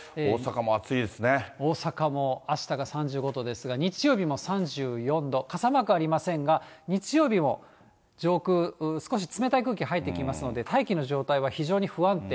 大阪も、あしたが３５度ですが、日曜日も３４度、傘マークありませんが、日曜日も上空、少し冷たい空気入ってきますので、大気の状態は非常に不安定。